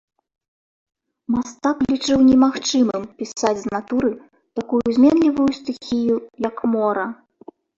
Мастак лічыў немагчымым пісаць з натуры такую зменлівую стыхію, як мора.